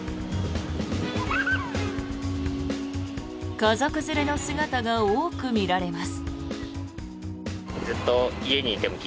家族連れの姿が多く見られます。